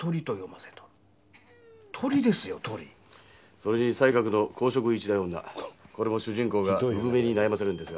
「それに西鶴の『好色一代女』これも主人公が産女に悩まされるんですが」